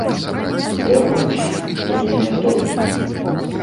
Вярнуўся, толькі не той.